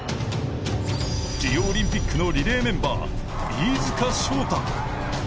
リオオリンピックのリレーメンバー、飯塚翔太。